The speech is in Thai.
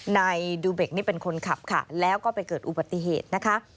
นายดูเบคนี่เป็นคนขับค่ะแล้วก็ไปเกิดอุบัติเหตุนะคะ